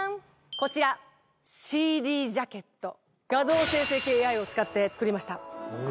こちらＣＤジャケット。を使って作りました。